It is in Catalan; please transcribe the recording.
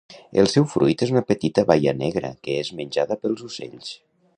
El seu fruit és una petita baia negra que és menjada pels ocells.